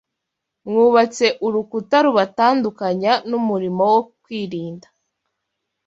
Mwubatse urukuta rubatandukanya n’umurimo wo kwirinda